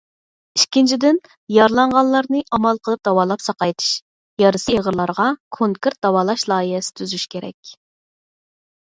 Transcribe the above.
ئىككىنچىدىن، يارىلانغانلارنى ئامال قىلىپ داۋالاپ ساقايتىش، يارىسى ئېغىرلارغا كونكرېت داۋالاش لايىھەسى تۈزۈش كېرەك.